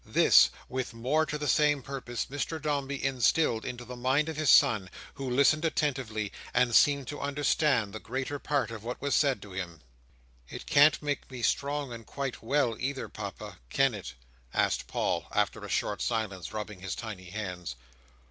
This, with more to the same purpose, Mr Dombey instilled into the mind of his son, who listened attentively, and seemed to understand the greater part of what was said to him. "It can't make me strong and quite well, either, Papa; can it?" asked Paul, after a short silence; rubbing his tiny hands.